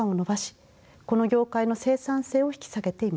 この業界の生産性を引き下げています。